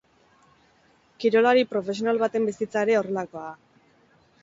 Kirolari profesional baten bizitza ere horrelakoa da.